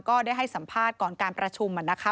ก็ได้ให้สัมภาษณ์ก่อนการประชุมนะคะ